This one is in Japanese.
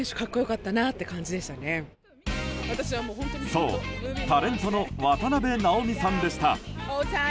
そうタレントの渡辺直美さんでした。